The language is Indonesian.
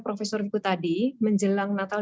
profesor wiku tadi menjelang natal